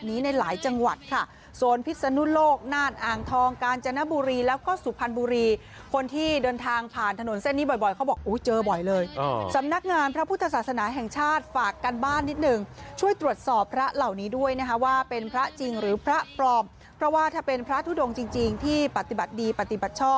ในหลายจังหวัดค่ะโซนพิศนุโลกน่านอ่างทองกาญจนบุรีแล้วก็สุพรรณบุรีคนที่เดินทางผ่านถนนเส้นนี้บ่อยเขาบอกอุ้ยเจอบ่อยเลยสำนักงานพระพุทธศาสนาแห่งชาติฝากกันบ้านนิดนึงช่วยตรวจสอบพระเหล่านี้ด้วยนะคะว่าเป็นพระจริงหรือพระปลอมเพราะว่าถ้าเป็นพระทุดงจริงที่ปฏิบัติดีปฏิบัติช